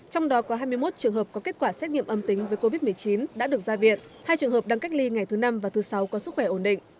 trong đó có hai mươi một trường hợp có kết quả xét nghiệm âm tính với covid một mươi chín đã được ra viện hai trường hợp đang cách ly ngày thứ năm và thứ sáu có sức khỏe ổn định